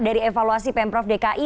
dari evaluasi pemprov dki